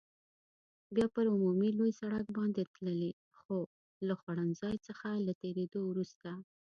بیا پر عمومي لوی سړک باندې تللې، له خوړنځای څخه تر تېرېدو وروسته.